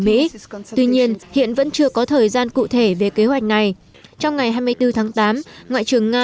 mỹ tuy nhiên hiện vẫn chưa có thời gian cụ thể về kế hoạch này trong ngày hai mươi bốn tháng tám ngoại trưởng nga